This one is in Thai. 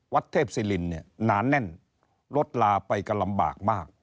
วัดเทพศิรินเนี่ยหนาแน่นรถลาไปก็ลำบากมาก